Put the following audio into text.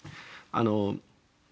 あの。